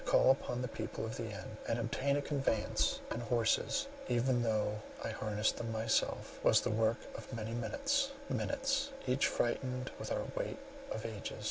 To call up the people of the inn, and obtain a conveyance and horses, even though I harnessed them myself, was the work of many minutes; minutes, each freighted with the weight of ages.